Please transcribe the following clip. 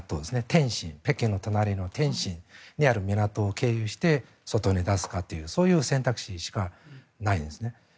天津、北京の隣の天津にある港を経由して外に出すかという選択肢しかないんですね。